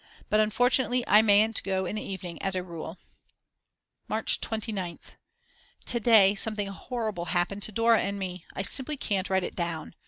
But unfortunately I mayn't go in the evening as a rule. March 29th. To day something horrible happened to Dora and me. I simply can't write it down.